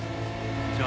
こんにちは。